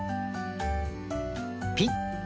ピッ！